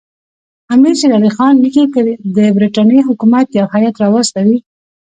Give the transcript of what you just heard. امیر شېر علي خان لیکي که د برټانیې حکومت یو هیات راواستوي.